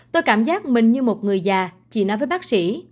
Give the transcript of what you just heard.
tôi cảm giác mình như một người già chỉ nói với bác sĩ